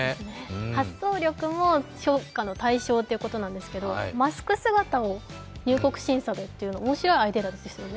発想力も評価の対象ということなんですけど、マスク姿を入国審査でっていうのは、面白いアイデアですよね。